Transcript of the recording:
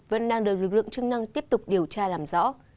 vẫn đang được lực lượng chức năng tiếp tục điều tra làm rõ